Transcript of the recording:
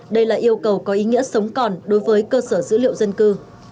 đây là yêu cầu có ý nghĩa sống còn đối với cơ sở dữ liệu dân cư